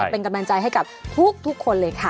เป็นกำลังใจให้กับทุกคนเลยค่ะ